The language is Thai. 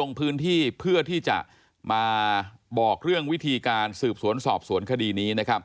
ลงพื้นที่เพื่อที่จะมาบอกเรื่องวิธีการสืบสวนสอบสวนคดีนี้นะครับ